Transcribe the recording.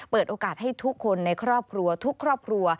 เปิดโอกาสให้ทุกคนในครอบครัวทุกครอบครัว